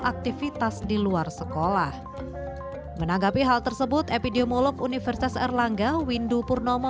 aktivitas di luar sekolah menanggapi hal tersebut epidemiolog universitas erlangga windu purnomo